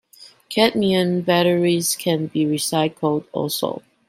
Cadmium batteries can be recycled also.